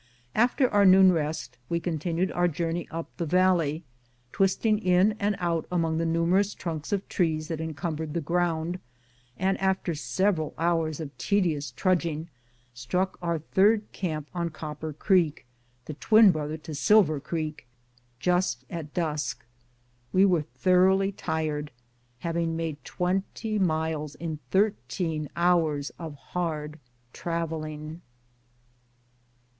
After our noon rest we continued our journey up the valley, twisting in and out among the numerous trunks of trees that encumbered the ground, and after several hours of tedious trudging struck our third camp on Copper Creek, the twin brother to Silver Creek, just at dusk. We were thoroughly tired, having made twenty miles in thirteen hours of hard traveling.